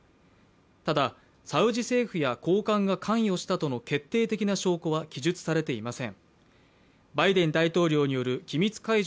ただ、サウジ政府や高官が関与したとの決定的な証拠は記述されていません。